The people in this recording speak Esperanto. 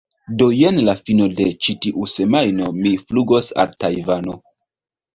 do jen la fino de ĉi tiu semajno mi flugos al Tajvano